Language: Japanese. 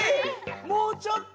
もうちょっと！